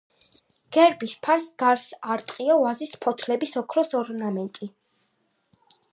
გერბის ფარს გარს არტყია ვაზის ფოთლების ოქროს ორნამენტი.